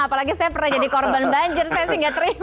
apalagi saya pernah jadi korban banjir saya sih nggak terima